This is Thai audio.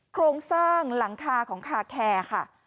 โครงสร้างหลังคาของคาแคร์ค่ะ